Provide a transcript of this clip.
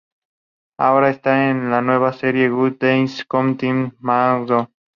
Ahora está en la nueva serie "Glory Daze", con Tim Meadows.